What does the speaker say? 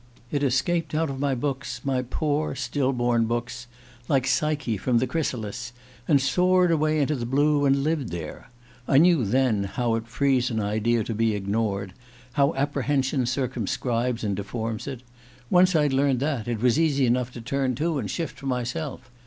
It escaped out of my books my poor still born books like Psyche from the chrysalis and soared away into the blue, and lived there. I knew then how it frees an idea to be ignored; how apprehension circumscribes and deforms it. ... Once I'd learned that, it was easy enough to turn to and shift for myself.